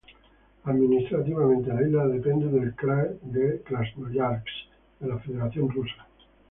Administrativamente, la isla depende del Krai de Krasnoyarsk de la Federación de Rusia.